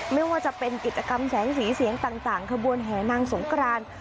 ไม่ว่าจะเป็นกิจกรรมแสงสีเสียงต่างขบวนแห่นางสงกราน